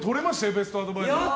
ベストアドバイザーを。